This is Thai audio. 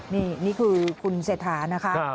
นี่คือคุณเศรษฐานะคะ